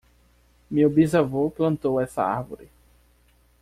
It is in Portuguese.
Meu bisavô plantou essa árvore.